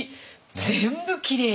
全部きれいに。